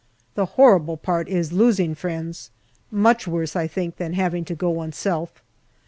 The horrible part is losing friends ; much worse, I think, than having to go oneself.